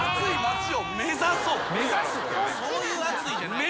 そういう「暑い」じゃないから。